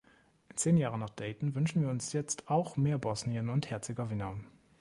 Zehn Jahre nach Dayton wünschen wir uns jetzt auch mehr Bosnien und Herzegowina.